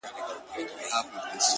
o د خوار د ژوند كيسه ماتـه كړه؛